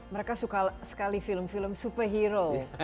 mereka suka sekali film film superhero